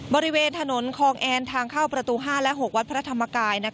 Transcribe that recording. บริเวณถนนคองแอนทางเข้าประตู๕และ๖วัดพระธรรมกาย